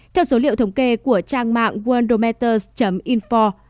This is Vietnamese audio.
theo số liệu thống kê của trang mạng worldometers info